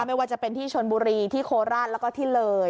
ไม่ว่าจะเป็นที่ชนบุรีที่โคราชแล้วก็ที่เลย